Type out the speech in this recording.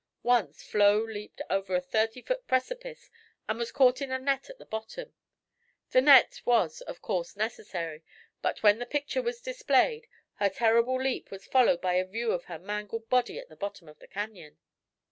Once Flo leaped over a thirty foot precipice and was caught in a net at the bottom. The net was, of course, necessary, but when the picture was displayed her terrible leap was followed by a view of her mangled body at the bottom of the canyon."